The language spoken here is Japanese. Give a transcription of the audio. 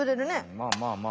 まあまあまあ。